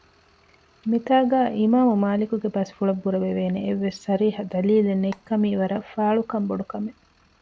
މިތާގައި އިމާމުމާލިކުގެ ބަސްފުޅަށް ބުރަވެވޭނެ އެއްވެސް ޞަރީޙަ ދަލީލެއް ނެތްކަމީ ވަރަށް ފާޅުކަން ބޮޑުކަމެއް